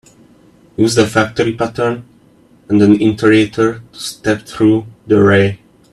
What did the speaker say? Use the factory pattern and an iterator to step through the array.